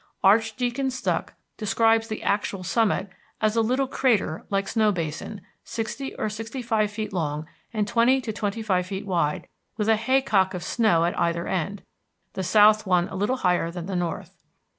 Archdeacon Stuck describes the "actual summit" as "a little crater like snow basin, sixty or sixty five feet long, and twenty to twenty five feet wide, with a hay cock of snow at either end the south one a little higher than the north."